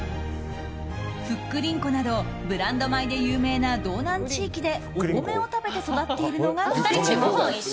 ふっくりんこなどブランド米で有名な道南地域でお米を食べて育っているのが特徴。